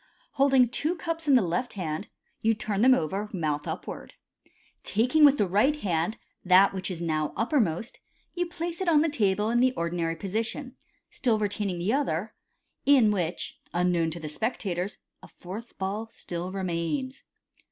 Holding two cups in the left hand, you turn them over, mouth upwards. Taking with the right hand that which is now uppermost, you place it on the table in the ordinary position, still retaining the other, in which, unknown to the spectators, a fourth ball still remains.